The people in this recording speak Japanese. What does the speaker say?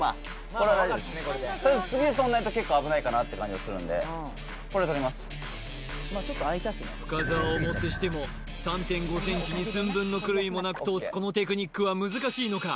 これは大丈夫っすとりあえず次でとんないと結構危ないかなって感じはするんで深澤をもってしても３．５ｃｍに寸分の狂いもなく通すこのテクニックは難しいのか？